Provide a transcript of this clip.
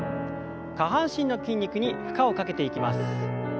下半身の筋肉に負荷をかけていきます。